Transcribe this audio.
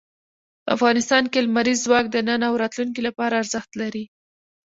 افغانستان کې لمریز ځواک د نن او راتلونکي لپاره ارزښت لري.